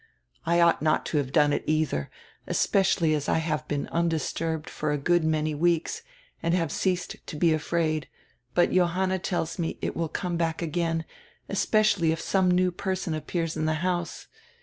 I ought not to have done it either, especially as I have been undis turbed for a good many weeks and have ceased to be afraid; but Johanna tells me it will come back again, especially if some new person appears in the house.